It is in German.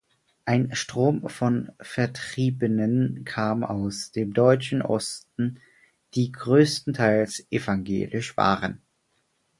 Ein Strom von Vertriebenen kam aus dem deutschen Osten, die größtenteils evangelisch waren.